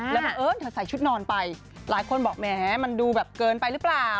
แล้วบังเอิญเธอใส่ชุดนอนไปหลายคนบอกแหมมันดูแบบเกินไปหรือเปล่า